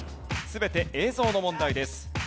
全て映像の問題です。